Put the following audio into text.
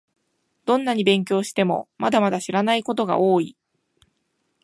どんなに勉強しても、まだまだ知らないことが多い